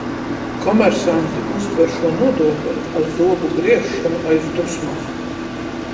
Komersanti uztver šo nodokli ar zobu griešanu aiz dusmām.